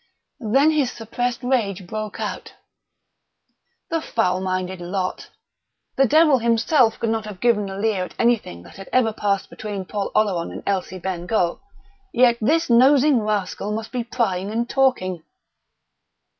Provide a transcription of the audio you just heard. Then his suppressed rage broke out.... The foul minded lot! The devil himself could not have given a leer at anything that had ever passed between Paul Oleron and Elsie Bengough, yet this nosing rascal must be prying and talking!...